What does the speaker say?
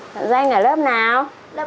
bạn doanh ở lớp nào